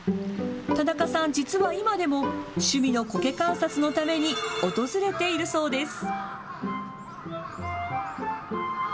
田中さん、実は今でも趣味のコケ観察のために訪れているそうです。